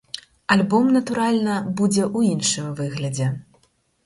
Альбом, натуральна, будзе ў іншым выглядзе.